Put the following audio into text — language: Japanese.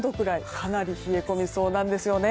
かなり冷え込みそうなんですね。